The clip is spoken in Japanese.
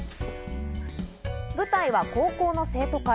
舞台は高校の生徒会。